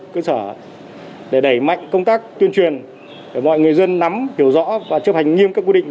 cơ sở để đẩy mạnh công tác tuyên truyền để mọi người dân nắm hiểu rõ và chấp hành nghiêm các quy định